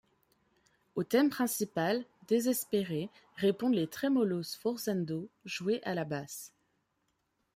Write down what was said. Au thème principal, désespéré, répondent les tremolos sforzando joués à la basse.